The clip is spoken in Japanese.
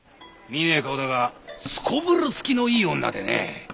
見ねえ顔だがすこぶるつきのいい女でね。